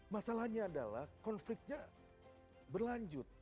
masalahnya adalah konfliknya berlanjut